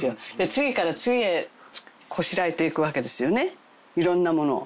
次から次へこしらえていくわけですよね色んなものを。